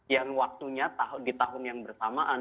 yang waktunya di tahun yang bersamaan